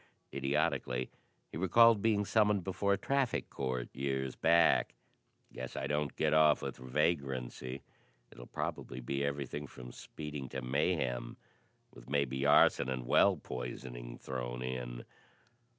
Idiotically, he recalled being summoned before a traffic court, years back. "Guess I don't get off with vagrancy; it'll probably be everything from speeding to mayhem, with maybe arson and well poisoning thrown in."